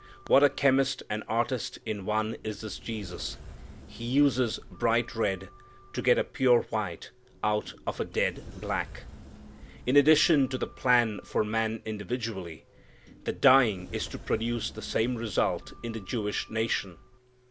What a chemist and artist in one is this Jesus! He uses bright red, to get a pure white out of a dead black. In addition to the plan for man individually, the dying is to produce the same result in the Jewish nation.